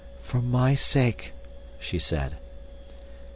"For my sake," she said.